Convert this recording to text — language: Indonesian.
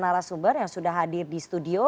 narasumber yang sudah hadir di studio